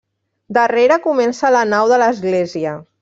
Darrere comença la nau de l'església.